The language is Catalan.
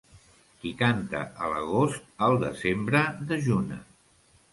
Qui canta a l'agost, al desembre dejuna.